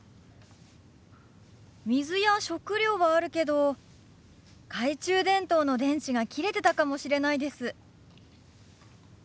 水や食料はあるけど懐中電灯の電池が切れてたかもしれないです。